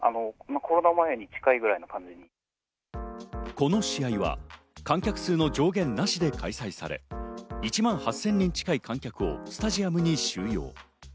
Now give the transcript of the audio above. この試合は観客数の上限なしで開催され、１万８０００人近い観客をスタジアムに収容。